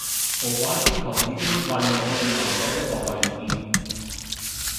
逃犯天堂已經為我預留咗一個位置